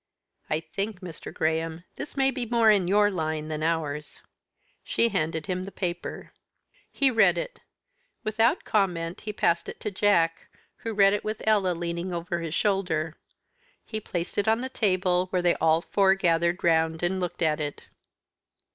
"I think, Mr. Graham, this may be more in your line than ours." She handed him the paper. He read it. Without comment he passed it to Jack, who read it with Ella leaning over his shoulder. He placed it on the table, where they all four gathered round and looked at it.